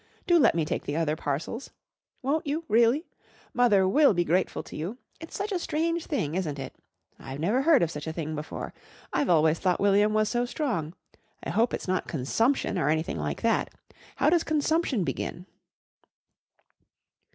Do let me take the other parcels. Won't you, really? Mother will be grateful to you. It's such a strange thing, isn't it? I've never heard of such a thing before. I've always thought William was so strong. I hope it's not consumption or anything like that. How does consumption begin?"